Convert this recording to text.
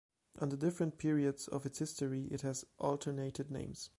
Under different periods of its history it has alternated names.